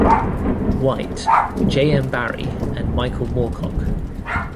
White, J. M. Barrie, and Michael Moorcock.